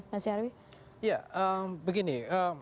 pak jokowi ya begini